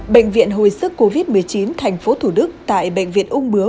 bệnh viện hồi sức covid một mươi chín thành phố thủ đức tại bệnh viện ung mứa